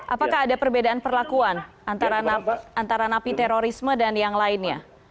apakah ada perbedaan perlakuan antara napi terorisme dan yang lainnya